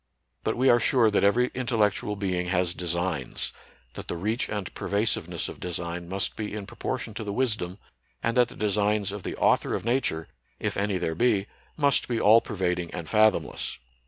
But we are sure that every intellectual being has designs, that the reach and pervasiveness of design must be in proportion to the wisdom ; and that the designs of the Author' of Nature, if any there be, must be all pervading and fathomless.